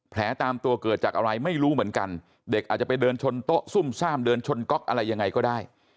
ตามตัวเกิดจากอะไรไม่รู้เหมือนกันเด็กอาจจะไปเดินชนโต๊ะซุ่มซ่ามเดินชนก๊อกอะไรยังไงก็ได้